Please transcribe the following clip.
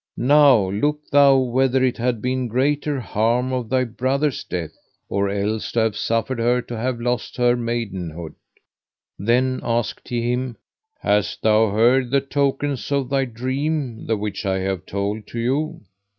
Now look thou whether it had been greater harm of thy brother's death, or else to have suffered her to have lost her maidenhood. Then asked he him: Hast thou heard the tokens of thy dream the which I have told to you?